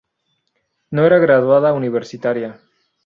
No era graduada universitaria.